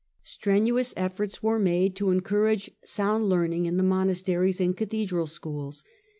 Strenuous efforts were made to encourage sound learning in the monasteries and cathedral schools.